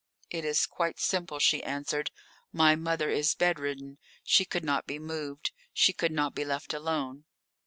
"It is quite simple," she answered. "My mother is bed ridden. She could not be moved. She could not be left alone."